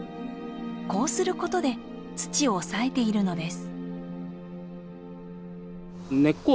こうすることで土を抑えているのです。